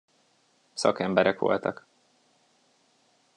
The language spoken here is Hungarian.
Szakemberek voltak.